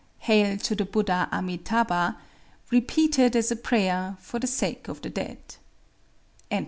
_ ("Hail to the Buddha Amitâbha!"),—repeated, as a prayer, for the sake of the dead.